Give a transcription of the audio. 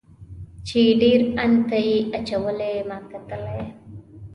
چې ډیر ان ته یې اچولې ما کتلی.